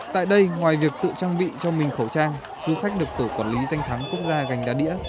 tại đây ngoài việc tự trang bị cho mình khẩu trang du khách được tổ quản lý danh thắng quốc gia gành đá đĩa